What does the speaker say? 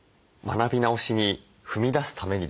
学び直しに踏み出すためにですね